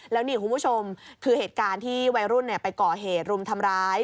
แล้วนี่คุณผู้ชมคือเหตุการณ์ที่วัยรุ่นไปก่อเหตุรุมทำร้าย